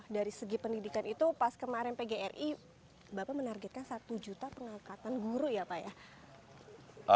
dari segi pendidikan itu pas kemarin pgri bapak menargetkan satu juta pengangkatan guru ya pak ya